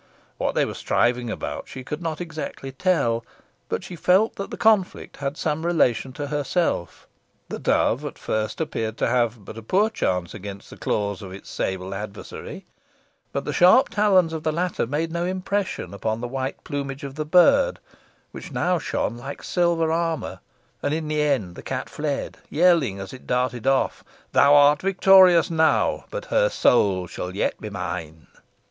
What they were striving about she could not exactly tell, but she felt that the conflict had some relation to herself. The dove at first appeared to have but a poor chance against the claws of its sable adversary, but the sharp talons of the latter made no impression upon the white plumage of the bird, which now shone like silver armour, and in the end the cat fled, yelling as it darted off "Thou art victorious now, but her soul shall yet be mine."